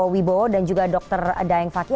wibowo dan juga dokter dayeng fakih